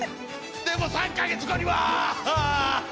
でも３か月後には！